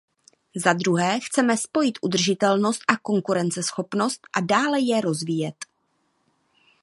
Zadruhé, chceme spojit udržitelnost a konkurenceschopnost a dále je rozvíjet.